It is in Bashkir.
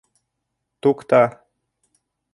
Тукта.